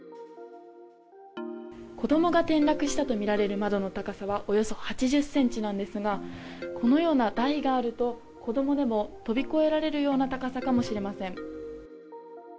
子供が転落したとみられる窓の高さはおよそ８０ｃｍなんですがこのような台があると子供でも飛び越えられるような高さかもしれません。